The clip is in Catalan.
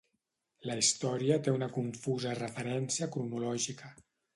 La història té una confusa referència cronològica.